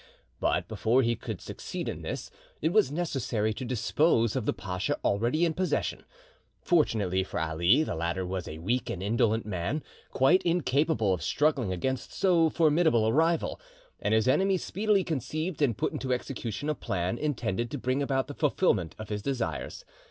But before he could succeed in this, it was necessary to dispose of the pacha already in possession. Fortunately for Ali, the latter was a weak and indolent man, quite incapable of struggling against so formidable a rival; and his enemy speedily conceived and put into execution a plan intended to bring about the fulfilment of his desires.